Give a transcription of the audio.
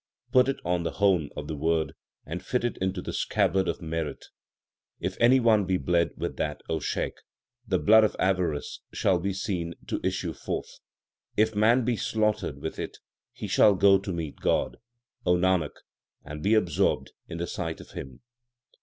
Put it on the hone of the Word, And fit it into the scabbard of merit. If any one be bled with that, O Shaikh, The blood of avarice will be seen to issue forth. If man be slaughtered with it, he shall go to meet God, O Nanak, and be absorbed in the sight of Him.